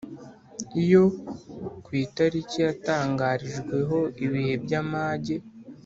Iyo ku itariki yatangarijweho ibihe by’amage